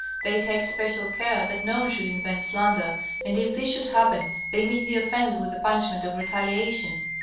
They take special care that no one should invent slander, and if this should happen they meet the offence with the punishment of retaliation.